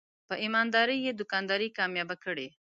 په ایماندارۍ یې دوکانداري کامیابه کړې.